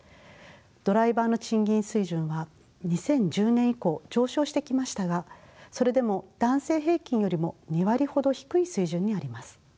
ドライバーの賃金水準は２０１０年以降上昇してきましたがそれでも男性平均よりも２割ほど低い水準にあります。